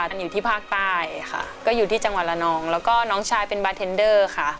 อยู่ที่ภาคใต้ค่ะก็อยู่ที่จังหวัดละนองแล้วก็น้องชายเป็นบาร์เทนเดอร์ค่ะ